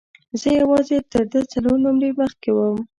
زه یوازې تر ده څلور نمرې مخکې وم.